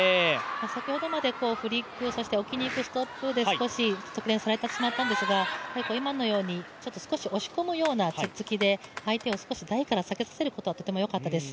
先ほどまでフリック、置きにいくストップで少し得点されてしまったんですが、今のように押し込むようなツッツキで相手を少し台から下げるようにしたのがよかったです。